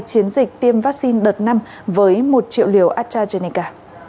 chiến dịch tiêm vaccine đợt năm với một triệu liều astrazeneca